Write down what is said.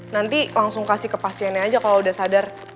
nanti langsung kasih ke pasiennya aja kalau udah sadar